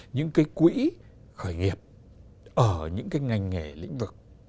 những quỹ khởi nghiệp ở những ngành nghề lĩnh vực